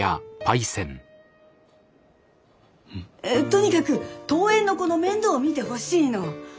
とにかく遠縁の子の面倒を見てほしいの。